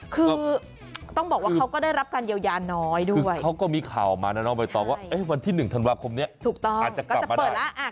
คือต้องบอกว่าเขาก็ได้รับการเยียวยาน้อยด้วยคือเขาก็มีข่าวมานะเนาะวันที่๑ธันวาคมเนี่ยอาจจะกลับมาได้